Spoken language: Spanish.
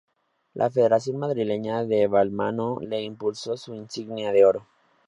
La Federación Madrileña de Balonmano le impuso su Insignia de Oro.